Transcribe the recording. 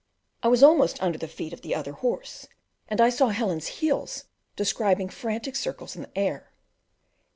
I was almost under the feet of the other horse, and I saw Helen's heels describing frantic circles in the air.